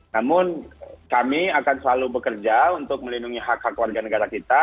jadi kami akan selalu bekerja untuk melindungi hak hak warga negara kita